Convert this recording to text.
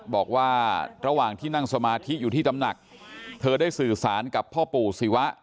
บอกว่าระหว่างที่นั่งสมาธิอยู่ที่ตำหนักเธอได้สื่อสารกับพ่อปู่ศิวะ